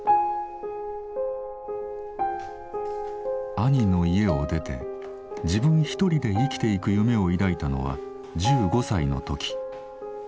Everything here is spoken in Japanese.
兄の家を出て自分一人で生きていく夢を抱いたのは１５歳の時。